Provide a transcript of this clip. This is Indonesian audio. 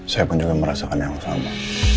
saya pun juga merasakan yang sama